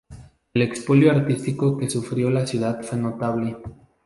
El expolio artístico que sufrió la ciudad fue notable.